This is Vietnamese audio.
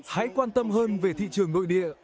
hãy quan tâm hơn về thị trường nội địa